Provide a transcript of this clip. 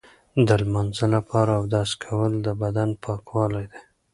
د لمانځه لپاره اودس کول د بدن پاکوالی دی.